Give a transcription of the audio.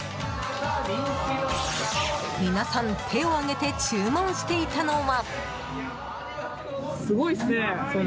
皆さん、手を挙げて注文していたのは。